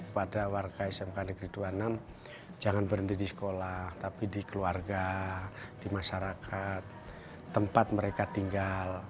pada warga smk negeri dua puluh enam jangan berhenti di sekolah tapi di keluarga di masyarakat tempat mereka tinggal